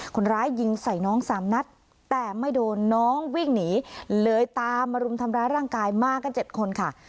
คนร้ายยิงใส่น้องสามนัดแต่ไม่โดนน้องวิ่งหนีเลยตามมารุมทำร้ายร่างกายมากัน๗คนค่ะ